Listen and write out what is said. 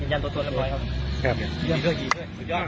มีเวลากี่สุดยอด